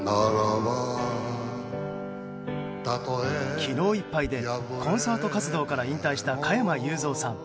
昨日いっぱいでコンサート活動から引退した加山雄三さん。